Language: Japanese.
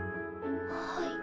はい。